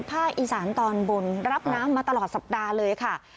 ภาคอีสานตอนบนรับน้ำมาตลอดสัปดาห์เลยค่ะ